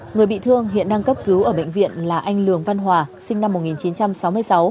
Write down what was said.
người bị thương hiện đang cấp cứu ở bệnh viện là anh lường văn hòa sinh năm một nghìn chín trăm sáu mươi sáu